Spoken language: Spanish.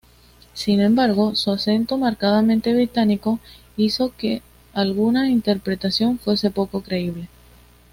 Sin embargo, su acento marcadamente británico hizo que alguna interpretación fuese poco creíble.